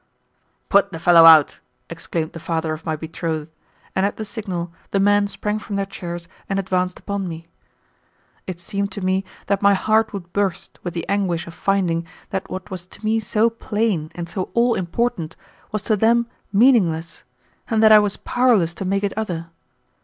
"Put the fellow out!" exclaimed the father of my betrothed, and at the signal the men sprang from their chairs and advanced upon me. It seemed to me that my heart would burst with the anguish of finding that what was to me so plain and so all important was to them meaningless, and that I was powerless to make it other.